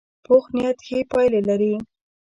پوخ نیت ښې پایلې لري